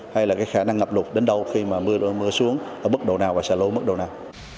hay là cái khả năng ngập lụt đến đâu khi mà mưa xuống ở mức độ nào và xả lũ mức độ nào